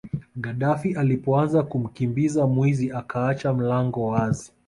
Gadaffi alipoanza kumkimbiza mwizi akaacha mlango wazi